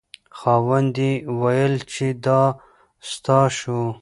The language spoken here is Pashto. خاوند یې وویل چې دا ستا شو.